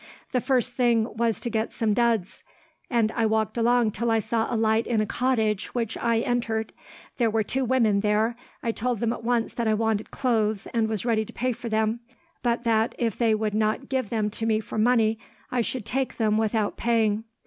The first thing was to get some duds, and I walked along till I saw a light in a cottage, which I entered. There were two women there. I told them at once that I wanted clothes, and was ready to pay for them; but that, if they would not give them to me for money, I should take them without paying.